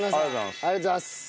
ありがとうございます。